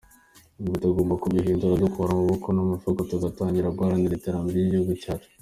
Ibi tugomba kubihindura, dukura amaboko mu mifuka tugatangira guharanira iterambere ry’igihugu cyacu.